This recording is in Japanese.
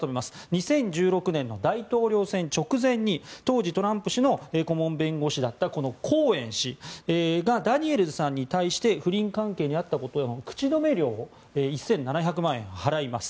２０１６年の大統領選直前に当時トランプ氏の顧問弁護士だったコーエン氏がダニエルズさんに対して不倫関係にあったことへの口止め料を１７００万円払います。